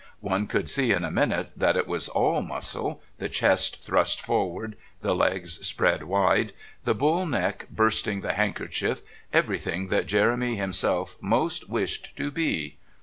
One could see in a minute that it was all muscle, the chest thrust forward, the legs spread wide, the bull neck bursting the handkerchief, everything that Jeremy himself most wished to be.